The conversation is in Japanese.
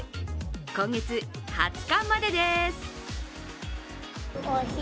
今月２０日までです。